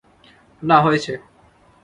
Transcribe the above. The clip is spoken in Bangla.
না, হয়েছে।